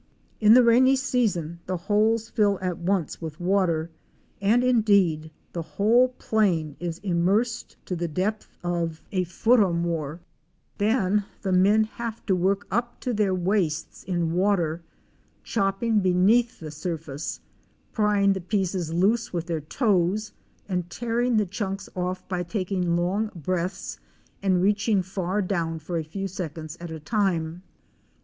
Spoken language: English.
In the rainy season the holes fill at once with water, and indeed the whole plain is immersed to the depth of 96 OUR SEARCH FOR A WILDERNESS. a foot or more; then the men have to work up to their waists in water, chopping beneath the surface, prying the pieces loose with their toes and tearing the chunks off by taking long breaths and reaching far down for a few seconds at a time.